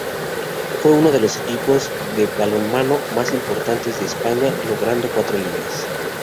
Fue uno de los equipos de balonmano más importantes de España logrando cuatro ligas.